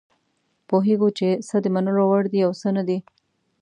پوهیږو چې څه د منلو وړ دي او څه نه دي.